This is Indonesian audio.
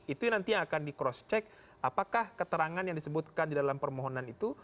itu nanti akan di cross check apakah keterangan yang disebutkan di dalam permohonan itu